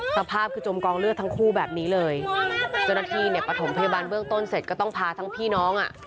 สภาพคือจมกองเลือดทั้งคู่แบบนี้เลยเจ้าหน้าที่เนี่ยประถมพยาบาลเบื้องต้นเสร็จก็ต้องพาทั้งพี่น้องอ่ะ